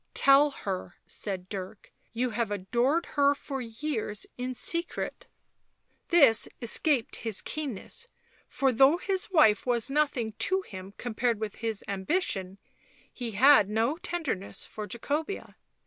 " Tell her," said Dirk, " you have adored her for years in secret." This escaped his keenness, for though his wife was nothing to him compared with his ambition, he had no tenderness for Jacobea.